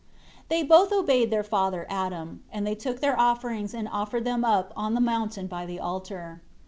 17 They both obeyed their father Adam, and they took their offerings, and offered them up on the mountain by the altar.